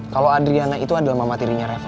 kalo adriana itu adalah mama dirinya reva